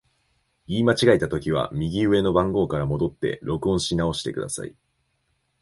言い間違えたときは、右上の番号から戻って録音し直してください。